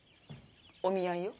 お見合いよ。